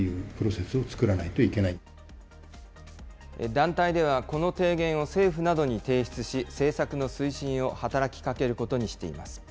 団体では、この提言を政府などに提出し、政策の推進を働きかけることにしています。